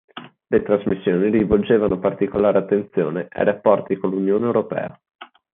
Le trasmissioni rivolgevano particolare attenzione ai rapporti con l'Unione europea.